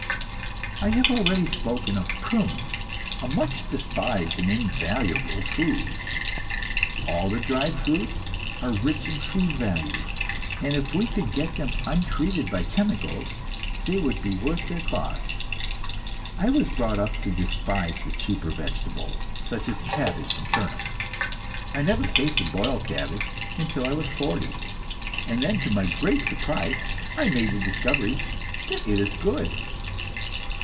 I have already spoken of prunes, a much despised and invaluable food. All the dried fruits are rich in food values, and if we could get them untreated by chemicals, they would be worth their cost. I was brought up to despise the cheaper vegetables, such as cabbage and turnips; I never tasted boiled cabbage until I was forty, and then to my great surprise I made the discovery that it is good.